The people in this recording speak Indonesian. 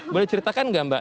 boleh ceritakan nggak mbak